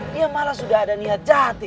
dia malah sudah ada niat jahat ya